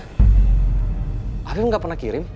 habib gak pernah kirim